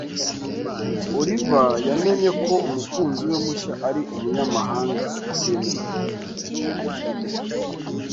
Oliver yamenye ko umukunzi we mushya ari umunyamahanga utemewe.